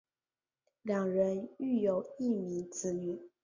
两人育有一名子女。